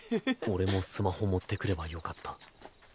俺もスマホ持ってくればよかった。